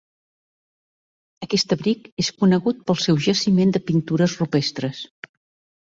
Aquest abric és conegut pel seu jaciment de pintures rupestres.